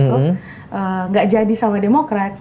tidak jadi sama demokrat